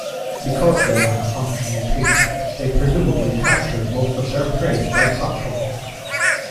Because they lack functional teeth, they presumably capture most of their prey by suction.